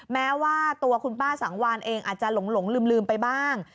แม้ว่าตัวคุณป้าสังวานเองอาจจะหลงลืมไปบ้าง